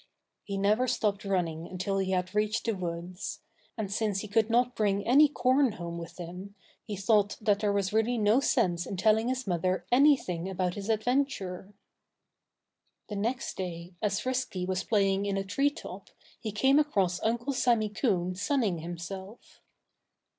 He never stopped running until he had reached the woods. And since he could not bring any corn home with him, he thought that there was really no sense in telling his mother anything about his adventure. The next day, as Frisky was playing in a tree top, he came across Uncle Sammy Coon sunning himself.